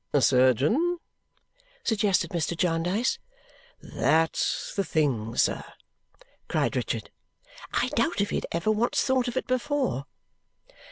"Surgeon " suggested Mr. Jarndyce. "That's the thing, sir!" cried Richard. I doubt if he had ever once thought of it before.